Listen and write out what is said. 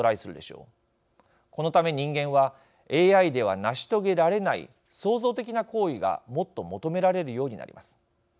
このため人間はＡＩでは成し遂げられない創造的な行為がもっと求められるようになります。